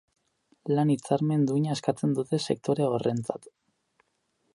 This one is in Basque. Lan-hitzarmen duina eskatzen dute sektore horrentzat.